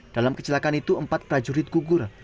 dalam kecelakaan itu empat prajurit gugur